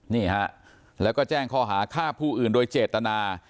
นี่ฮะแล้วก็แจ้งข้อหาฆ่าผู้อื่นโดยเจตนา